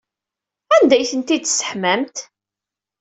Anda ay tent-id-tesseḥmamt?